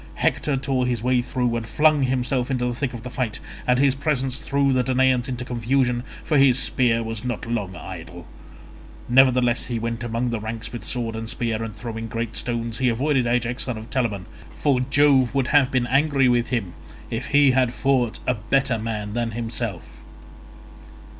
Hector tore his way through and flung himself into the thick of the fight, and his presence threw the Danaans into confusion, for his spear was not long idle; nevertheless though he went among the ranks with sword and spear, and throwing great stones, he avoided Ajax son of Telamon, for Jove would have been angry with him if he had fought a better man than himself.